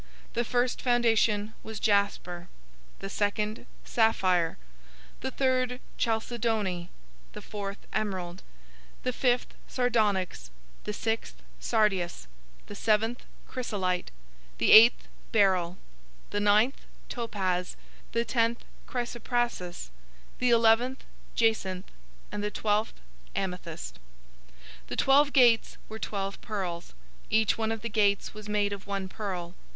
The first foundation was jasper; the second, sapphire{or, lapis lazuli}; the third, chalcedony; the fourth, emerald; 021:020 the fifth, sardonyx; the sixth, sardius; the seventh, chrysolite; the eighth, beryl; the ninth, topaz; the tenth, chrysoprasus; the eleventh, jacinth; and the twelfth, amethyst. 021:021 The twelve gates were twelve pearls. Each one of the gates was made of one pearl.